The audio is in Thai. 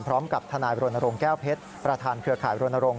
พร้อมกับทนายบรณรงค์แก้วเพชรประธานเครือข่ายรณรงค